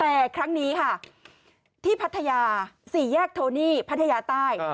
แต่ครั้งนี้ค่ะที่พัทยา๔แยกโทนี่พัทยาใต้